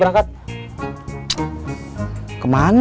dengan urutkan dua wd